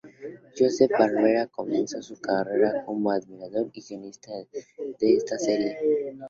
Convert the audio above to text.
Joseph Barbera comenzó su carrera como animador y guionista de esta serie.